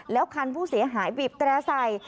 แล้วคันผู้เสียหายบีบแตร่ใส่